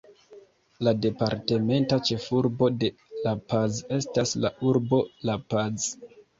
La departementa ĉefurbo de La Paz estas la urbo La Paz.